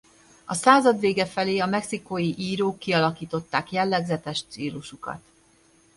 A század vége felé a mexikói írók kialakították jellegzetes stílusukat.